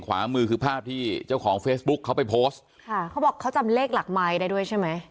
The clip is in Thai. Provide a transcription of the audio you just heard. ขวามือคือภาพที่เจ้าของเฟซบุ๊คเขาไปโพสต์ค่ะเขาบอกเขาจำเลขหลักไม้ได้ด้วยใช่ไหม